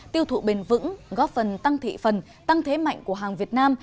tiêu thụ bền vững góp phần tăng thị phần tăng thế mạnh của hàng việt nam